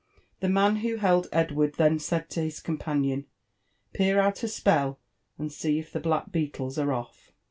The man who held Edward then said to his com fanion, " Peer out a st>ell, and see if the black beetles are off."